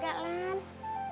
gak gak lah